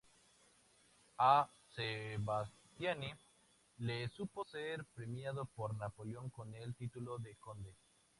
A Sebastiani le supuso ser premiado por Napoleón con el título de conde.